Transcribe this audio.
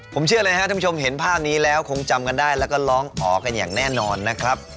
ผมเชื่อเลยครับท่านผู้ชมเห็นภาพนี้แล้วคงจำกันได้แล้วก็ร้องอ๋อกันอย่างแน่นอนนะครับ